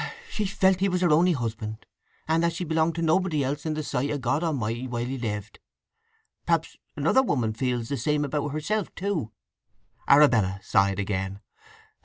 "She felt he was her only husband, and that she belonged to nobody else in the sight of God A'mighty while he lived. Perhaps another woman feels the same about herself, too!" Arabella sighed again.